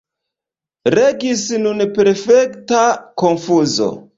Regis nun perfekta konfuzo.